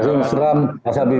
selamat malam mas habib